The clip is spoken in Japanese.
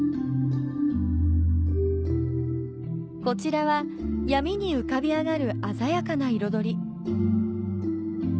こちらは闇に浮かび上がる鮮やかな彩り。